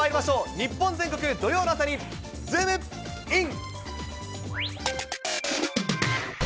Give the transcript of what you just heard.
日本全国土曜の朝にズームイン！！